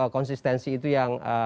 konsistensi itu yang